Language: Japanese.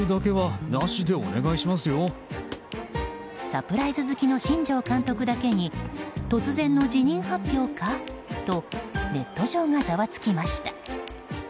サプライズ好きの新庄監督だけに突然の辞任発表か？とネット上がざわつきました。